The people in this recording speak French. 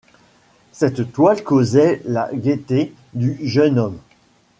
Cette toile causait la gaieté du jeune homme.